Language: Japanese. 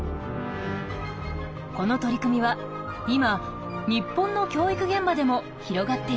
この取り組みは今日本の教育現場でも広がっています。